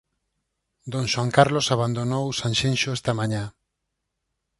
Don Xoán Carlos abandonou Sanxenxo esta mañá.